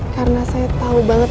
karena saya tau banget